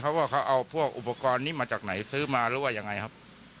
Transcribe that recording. เขาบอกเขาเอาไปจากที่บ้านเขา